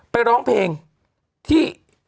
ร้องเพลงที่